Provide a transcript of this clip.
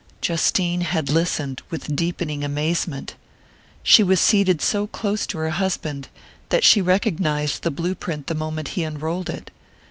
Justine had listened with deepening amazement. She was seated so close to her husband that she had recognized the blue print the moment he unrolled it.